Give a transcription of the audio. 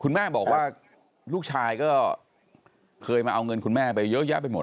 แม่บอกว่าลูกชายก็เคยมาเอาเงินคุณแม่ไปเยอะแยะไปหมด